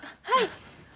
はい。